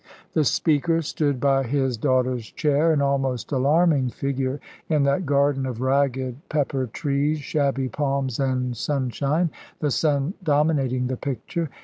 The speaker stood by his daughter's chair, an almost alarming figure in that garden of ragged pepper trees, shabby palms, and sunshine the sun dominating the picture.